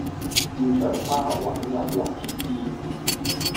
要賞花、玩遊樂設施